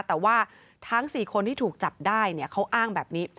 แต่ว่าทั้ง๔คนที่ถูกจับได้เขาอ้างแบบนี้